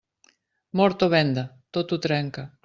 Mort o venda, tot ho trenca.